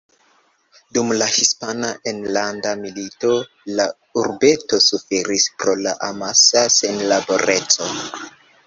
Dum la Hispana enlanda milito, la urbeto suferis pro la amasa senlaboreco.